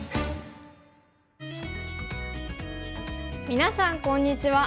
みなさんこんにちは。